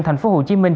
thành phố hồ chí minh